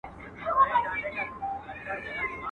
نېکي زوال نه لري.